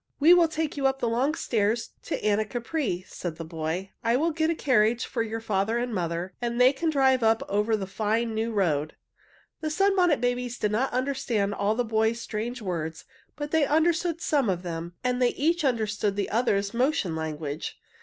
"We will take you up the long stairs to Anacapri," said the boy. "I will get a carriage for your father and mother, and they can drive up over the fine new road." The Sunbonnet Babies did not understand all the boy's strange words, but they understood some of them, and they each understood the others' motion language.